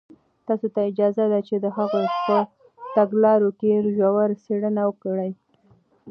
تاسو ته اجازه ده چې د هغوی په تګلارو کې ژوره څېړنه وکړئ.